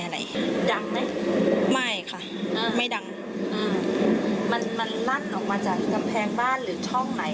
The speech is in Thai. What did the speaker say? ดังไหมไม่ค่ะอ่าไม่ดังอ่ามันมันลั่นออกมาจากกำแพงบ้านหรือช่องไหน